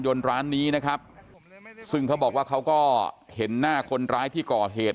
ร้านนี้นะครับซึ่งเขาบอกว่าเขาก็เห็นหน้าคนร้ายที่ก่อเหตุ